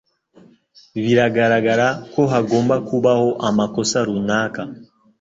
Biragaragara ko hagomba kubaho amakosa runaka.